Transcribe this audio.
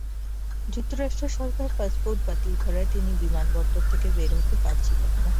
যুক্তরাষ্ট্র সরকার পাসপোর্ট বাতিল করায় তিনি বিমানবন্দর থেকে বের হতে পারছিলেন না।